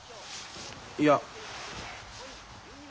いや。